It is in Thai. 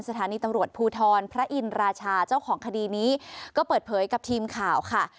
สถานีตำรวจภูทรพระอินราชาเจ้าของคดีนี้ก็เปิดเผยกับทีมข่าวค่ะ